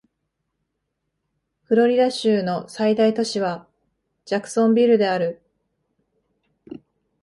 フロリダ州の最大都市はジャクソンビルである